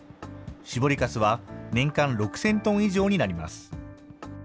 搾りかすは年間６０００トン以上になります。